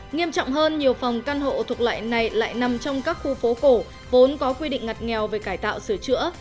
nghiêm trọng hơn nhiều phòng căn hộ thuộc loại này lại nằm trong các khu phố cổ vốn có quy định ngặt nghèo về cải tạo sửa chữa